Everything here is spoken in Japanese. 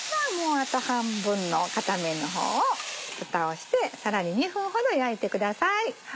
あと半分の片面の方をフタをしてさらに２分ほど焼いてください。